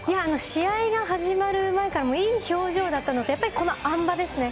試合が始まる前から、もういい表情だったので、やっぱりこのあん馬ですね。